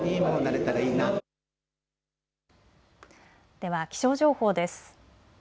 では気象情報です。